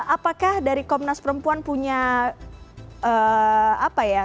apakah dari komnas perempuan punya apa ya